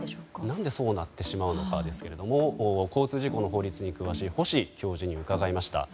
何でそうなってしまうのかですけども交通事故の法律に詳しい星教授に伺いました。